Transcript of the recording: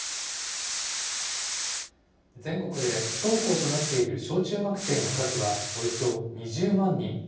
全国で不登校となっている小中学生の数は、およそ２０万人。